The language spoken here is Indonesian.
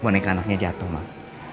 boneka anaknya jatuh mak